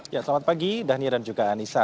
ya selamat pagi dhania dan juga anissa